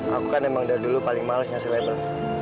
aku kan emang dari dulu paling males ngasih label